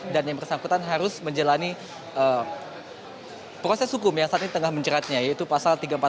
dan yang bersangkutan harus menjalani proses hukum yang saat ini tengah menjeratnya yaitu pasal tiga ratus empat puluh